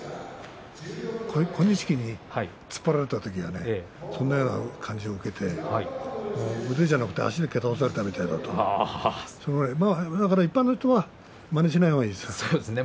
小錦に突っ張られた時はそのような感じを受けて腕じゃなくて足で蹴飛ばされたみたいだとだから一般の人はまねしない方がいいですね。